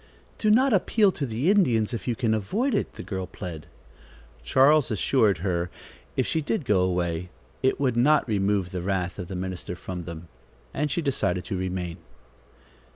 "Do not appeal to the Indians, if you can avoid it," the girl plead. Charles assured her if she did go away, it would not remove the wrath of the minister from them, and she decided to remain.